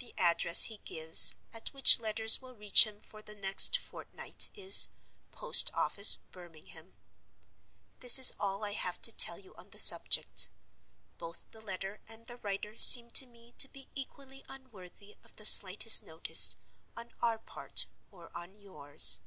The address he gives, at which letters will reach him for the next fortnight, is, 'Post office, Birmingham.' This is all I have to tell you on the subject. Both the letter and the writer seem to me to be equally unworthy of the slightest notice, on our part or on yours.